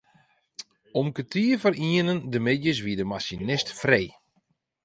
Om kertier foar ienen de middeis wie de masinist frij.